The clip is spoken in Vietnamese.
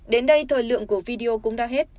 đến đây thời lượng của video cũng đã hết